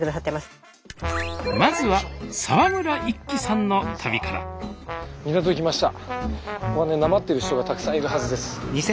ここはねなまってる人がたくさんいるはずです。